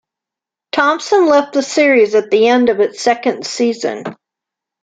Thompson left the series at the end of its second season.